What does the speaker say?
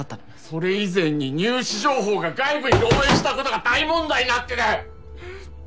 それ以前に入試情報が外部に漏洩したことが大問題になってる！